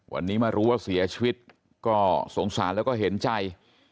วันนี้มารู้ว่าเสียชีวิตก็สงสารแล้วก็เห็นใจ